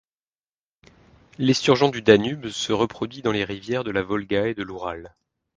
L'esturgeon du Danube se reproduit dans les rivières de la Volga et de l'Oural.